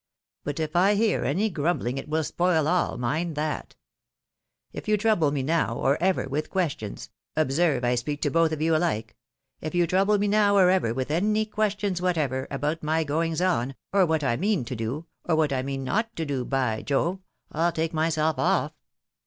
But if I hear any grumbling it will spoil all, mind RESIGNATION. 207 that. If you trouble me now, or ever, with questions— observe, I speak to both of you alike — ^if you trouble me now or ever with any questions whatever, about my goings on, or what I mean to do, or what I mean not to do, by Jove, I'll take myself off!